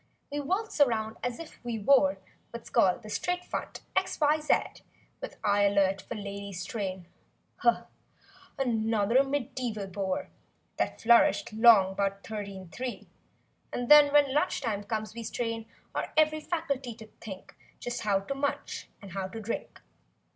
We waltz around as if we wore What's called the "straight front X Y Z;" With eye alert for lady's train— (Another medieval bore That flourished 'long 'bout thirteen three) And then when lunch time comes we strain Our every faculty to think Just how to munch and how to drink.